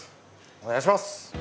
お願いします。